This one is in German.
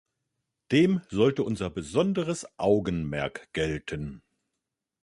Dem sollte unser besonderes Augenmerk gelten.